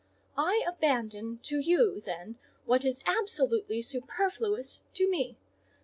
I abandon to you, then, what is absolutely superfluous to me.